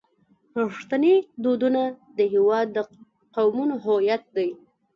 پښتني دودونه د هیواد د قومونو هویت دی.